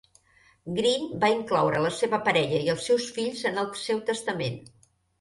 Green va incloure la seva parella i els seus fills en el seu testament.